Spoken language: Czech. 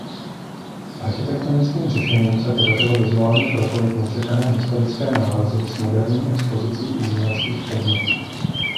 Architektonickým řešením se podařilo vizuálně propojit nečekané historické nálezy s moderní expozicí uměleckých předmětů.